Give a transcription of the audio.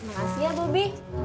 makasih ya bobby